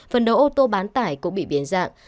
phần đầu ô tô bán tải cũng bị biến dạng